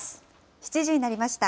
７時になりました。